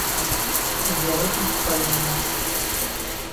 Күҙҙәре уттай яна.